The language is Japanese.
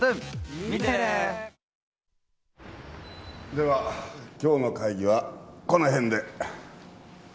では今日の会議はこの辺で。